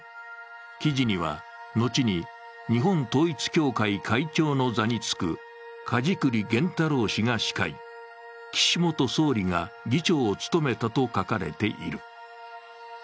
記事には後に日本統一教会会長の座につく梶栗玄太郎氏が司会、岸元総理が議長を務めと書かれている。